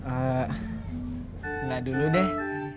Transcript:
enggak dulu deh